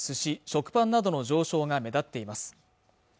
食パンなどの上昇が目立っています